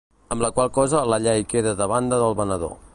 Amb la qual cosa la llei queda de la banda del venedor.